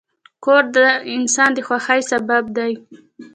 کور د انسان د خوښۍ سبب دی.